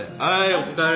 お疲れ。